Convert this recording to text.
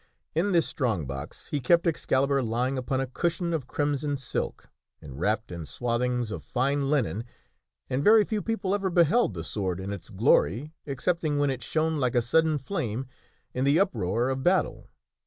In this strong box he kept Excalibur lying upon a cushion of crimson silk arid wrapped in swathings of fine linen, and very few people ever beheld the sword in its glory ex cepting when it shone like a sudden flame in the uproar of battle.